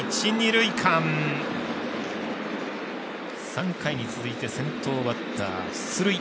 ３回に続いて先頭バッター、出塁。